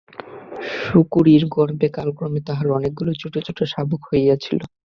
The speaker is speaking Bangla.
শূকরীর গর্ভে কালক্রমে তাঁহার অনেকগুলি ছোট ছোট শাবক হইয়াছিল।